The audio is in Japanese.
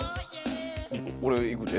俺行くで？